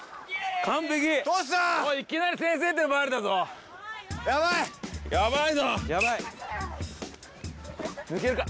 完璧おいいきなり先制点奪われたぞヤバいヤバいぞ抜けるか？